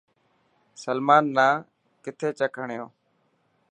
سلمان نا ڪٿي چڪ هڻيو.